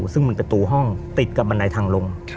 ซึ่งมันประตูห้องติดกับบันไดทางลง